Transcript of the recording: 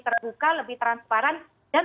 terbuka lebih transparan dan